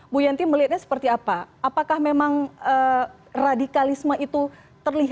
baik terima kasih